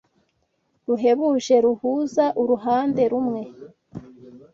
ruhebuje ruhuza uruhande rumwe